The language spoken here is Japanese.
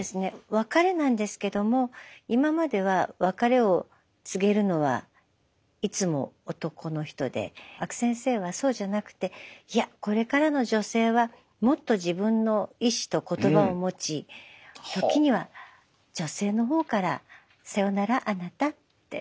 別れなんですけども今までは別れを告げるのはいつも男の人で阿久先生はそうじゃなくていやこれからの女性はもっと自分の意思と言葉を持ち時には女性のほうから「さよならあなた」って。